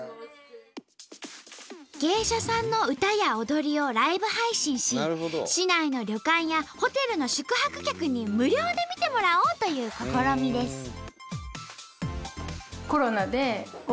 芸者さんの歌や踊りをライブ配信し市内の旅館やホテルの宿泊客に無料で見てもらおうという試みです。